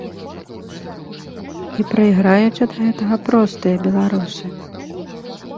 І прайграюць ад гэтага простыя беларусы.